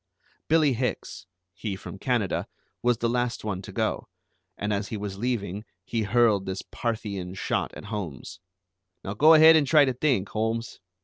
Billie Hicks, he from Canada, was the last one to go, and as he was leaving he hurled this Parthian shot at Holmes: "Now go ahead and try to think, Holmes.